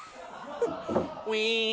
ウイーン！